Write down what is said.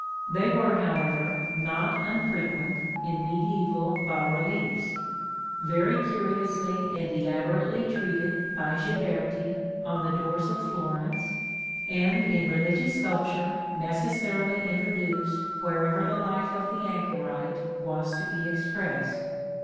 They were, however, not unfrequent in mediæval bas reliefs; very curiously and elaborately treated by Ghiberti on the doors of Florence, and in religious sculpture necessarily introduced wherever the life of the anchorite was to be expressed.